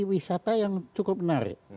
wisata yang cukup menarik